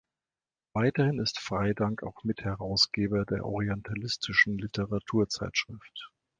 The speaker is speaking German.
Weiterhin ist Freydank auch Mitherausgeber der Orientalistischen Literaturzeitschrift.